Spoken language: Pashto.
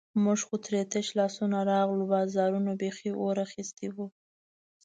موږ خو ترې تش لاسونه راغلو، بازارونو بیخي اور اخیستی وو.